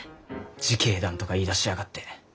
「自警団」とか言いだしやがって。